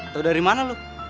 tau dari mana lo